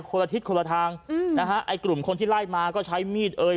ละทิศคนละทางอืมนะฮะไอ้กลุ่มคนที่ไล่มาก็ใช้มีดเอ่ย